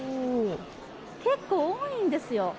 結構多いんですよ。